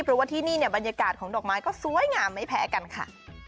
เพราะว่าที่นี่เนี่ยบรรยากาศของดอกไม้ก็สวยงามไม่แพ้กันค่ะ